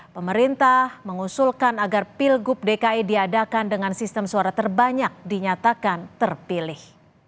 pemerintah mengusulkan agar pilgub dki diadakan dengan sistem suara terbanyak dinyatakan terpilih